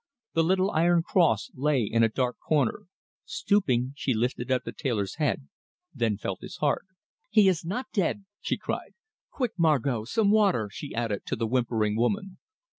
The little iron cross lay in a dark corner. Stooping, she lifted up the tailor's head, then felt his heart. "He is not dead," she cried. "Quick, Margot, some water," she added, to the whimpering woman.